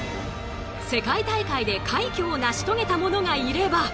世界大会で快挙を成し遂げた者がいれば。